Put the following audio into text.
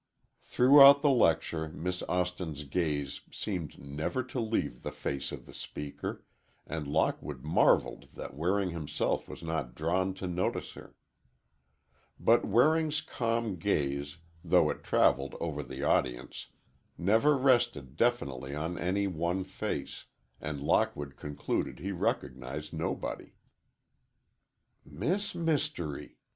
Throughout the lecture, Miss Austin's gaze seemed never to leave the face of the speaker, and Lockwood marveled that Waring himself was not drawn to notice her. But Waring's calm gaze, though it traveled over the audience, never rested definitely on any one face, and Lockwood concluded he recognized nobody. "Miss Mystery!"